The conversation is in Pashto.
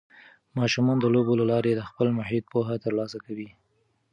ماشومان د لوبو له لارې د خپل محیط پوهه ترلاسه کوي.